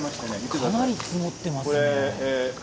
かなり積もってますね。